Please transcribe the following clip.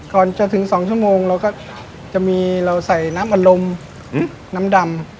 ก่อนจะถึง๒ชั่วโมงเราก็จะมีเราใส่น้ำอารมณ์น้ำดำ